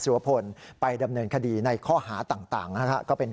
สุรพนธ์ไปดำเนินคดีในข้อหาต่างต่างนะฮะก็เป็น